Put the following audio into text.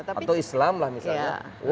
atau islam lah misalnya